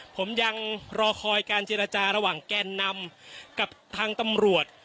ผมยังรอคอยการเจรจาระหว่างแกนนำกับทางตำรวจ